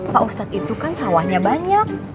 pak ustadz itu kan sawahnya banyak